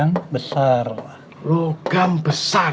ini adalah logam besar